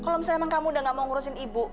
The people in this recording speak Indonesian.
kalau misalnya emang kamu udah gak mau ngurusin ibu